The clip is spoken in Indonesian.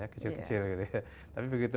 kecil kecil tapi begitu